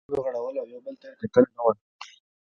هلته د سترګو غړول او یو بل ته کتل نه وو.